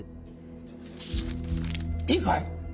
いいかい？